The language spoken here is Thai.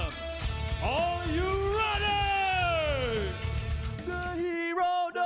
สวัสดีครับ